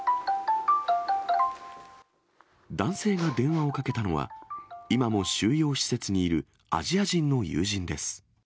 男性が電話をかけたのは、今も収容施設にいるアジア人の友人です。